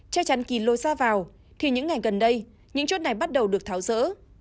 che chắn kì lôi ra vào thì những ngày gần đây những chốt này bắt đầu được tháo rỡ